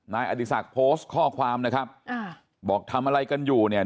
อดีศักดิ์โพสต์ข้อความนะครับอ่าบอกทำอะไรกันอยู่เนี่ย